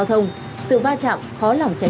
không vi phạm nữa